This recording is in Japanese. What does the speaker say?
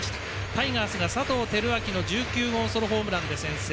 タイガースが佐藤輝明の１９号ソロホームランで先制。